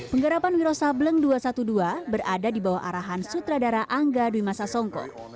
penggerapan wiro sableng dua ratus dua belas berada di bawah arahan sutradara angga duimasasongko